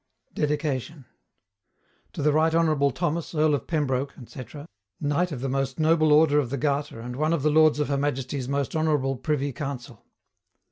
DEDICATION To the Right Honourable THOMAS, EARL OF PEMBROKE, &C., Knight of the most Noble Order of the Garter and one of the Lords of Her Majesty's most honourable privy council.